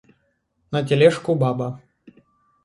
На тележку баба.